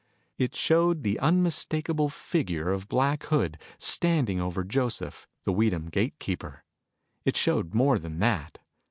It showed the unmistakable figure of Black Hood standing over Joseph, the Weedham gate keeper. It showed more than that.